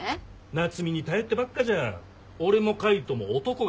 夏海に頼ってばっかじゃ俺も海斗も男が廃るって。